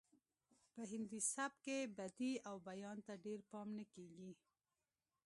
په هندي سبک کې بدیع او بیان ته ډیر پام نه کیږي